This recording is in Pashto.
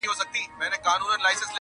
نه په ژبه پوهېدله د مېږیانو؛